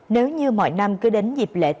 nếu như mọi năm cứ đến dịp lễ tùy pháp